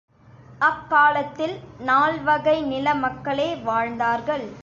அக்காலத்தில் நால்வகை நில மக்களே வாழ்ந்தார்கள்.